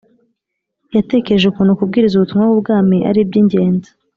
yatekereje ukuntu kubwiriza ubutumwa bw Ubwami ari iby ingenzi